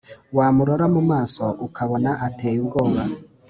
Wamurora mu maso ukabona ateye ubwoba